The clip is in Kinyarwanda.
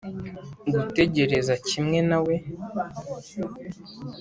gutegereza kimwe na we,